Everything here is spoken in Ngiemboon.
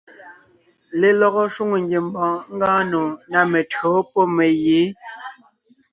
Lelɔgɔ shwòŋo ngiembɔɔn ngɔɔn nò ná mentÿǒ pɔ́ megǐ.